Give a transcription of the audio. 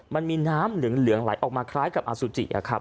มันมีน้ำเหลืองไหลออกมาคล้ายกับอสุจิครับ